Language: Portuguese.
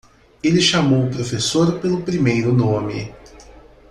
Ele chamou o professor pelo primeiro nome.